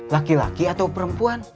laki laki atau perempuan